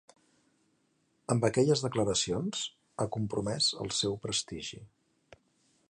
Amb aquelles declaracions, ha compromès el seu prestigi.